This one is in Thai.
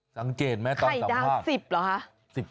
สังเกตไหมตอนสัมภาษณ์ไข่ดาว๑๐หรอครับ